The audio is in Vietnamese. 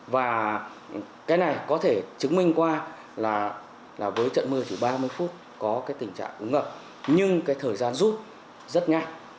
và cái này có thể chứng minh qua là với trận mưa chỉ ba mươi phút có cái tình trạng ống ngập nhưng cái thời gian rút rất nhanh